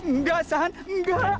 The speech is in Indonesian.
nggak san nggak